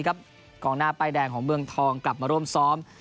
กองหน้าป้ายแดงของเมืองทองกลับมาร่วมซ้อม